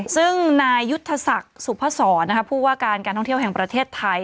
ซึ่งนายยุทธศักดิ์สุพศรผู้ว่าการการท่องเที่ยวแห่งประเทศไทย